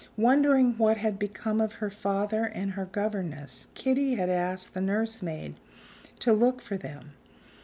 Wondering what had become of her father and her governess, Kitty had asked the nursemaid to look for them.